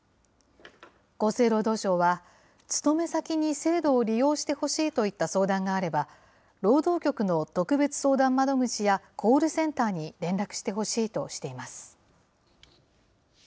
厚生労働省は、勤め先に制度を利用してほしいといった相談があれば、労働局の特別相談窓口や、コールセンターに連絡してほしいとしています。